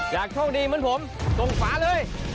อยากโชคดีเหมือนผมตรงฝาเลย